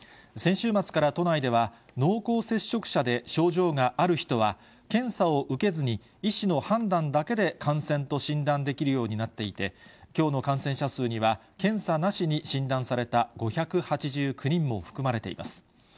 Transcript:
先週末から都内では、濃厚接触者で症状がある人は、検査を受けずに医師の判断だけで感染と診断できるようになっていて、きょうの感染者数には、検査なしに診断された５８９人も含まれています。